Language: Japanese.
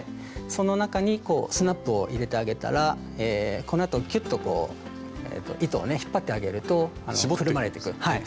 その中にスナップを入れてあげたらこのあときゅっとこう糸をね引っ張ってあげるとくるまれてく。